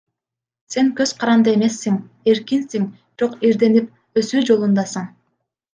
Сен көз каранды эмессиң, эркинсиң, бирок ирденип, өсүү жолундасың.